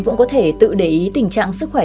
cũng có thể tự để ý tình trạng sức khỏe